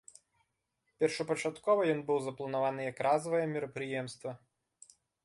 Першапачаткова ён быў запланаваны як разавае мерапрыемства.